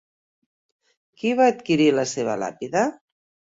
Qui va adquirir la seva làpida?